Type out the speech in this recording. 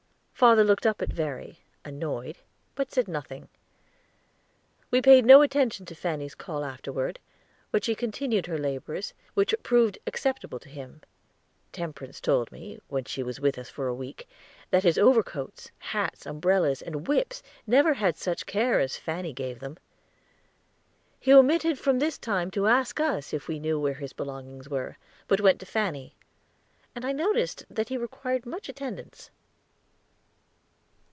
Father looked up at Verry, annoyed, but said nothing. We paid no attention to Fanny's call afterward; but she continued her labors, which proved acceptable to him. Temperance told me, when she was with us for a week, that his overcoats, hats, umbrellas, and whips never had such care as Fanny gave them. He omitted from this time to ask us if we knew where his belongings were, but went to Fanny; and I noticed that he required much attendance.